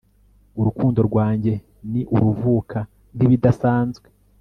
urukundo rwanjye ni uruvuka nkibidasanzwe